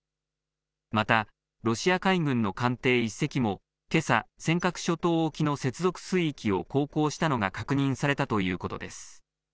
またロシア海軍の艦艇１隻もけさ、尖閣諸島沖の接続水域を航行したのが確認されたということです。